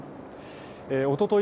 おととい